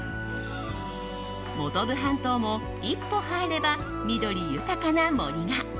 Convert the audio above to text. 本部半島も一歩入れば緑豊かな森が。